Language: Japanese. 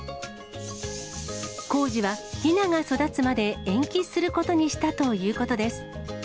工事はヒナが育つまで延期することにしたということです。